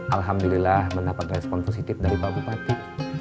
alhamdulillah mendapat respon positif dari pak bupati